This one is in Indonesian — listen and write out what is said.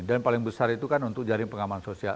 dan paling besar itu kan untuk jaring pengaman sosial